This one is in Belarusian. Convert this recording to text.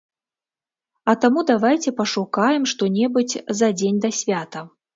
А таму давайце пашукаем што-небудзь за дзень да свята.